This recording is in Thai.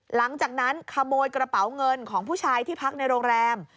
หลังจากนั้นขโมยกระเป๋าเงินของผู้ชายที่พักในโรงแรม